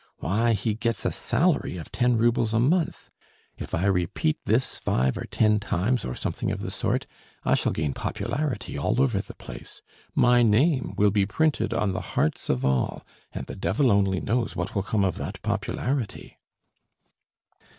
Why, he gets a salary of ten roubles a month!... If I repeat this five or ten times, or something of the sort, I shall gain popularity all over the place.... My name will be printed on the hearts of all, and the devil only knows what will come of that popularity!..."